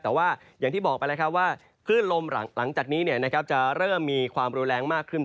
แต่ว่าอย่างที่บอกไปแล้วครับว่าคลื่นลมหลังจากนี้จะเริ่มมีความรุนแรงมากขึ้น